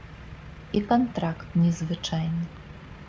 І кантракт не звычайны.